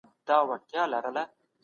مثبت فکر انسان ته امید ورکوي.